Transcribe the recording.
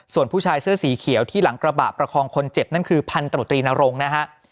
ส่วนผู้ชายเสื้อสีเขียวที่หลังกระบะประคองคนเจ็บนั่นคือพันธุตรีนรงค์นะฮะ